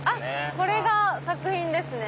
これが作品ですね！